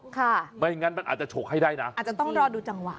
ไม่งั้นมันอาจจะฉกให้ได้นะอาจจะต้องรอดูจังหวะ